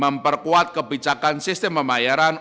memperkuat kebijakan sistem pembayaran